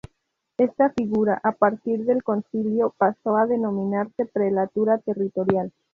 Esta figura, a partir del Concilio, pasó a denominarse prelatura territorial.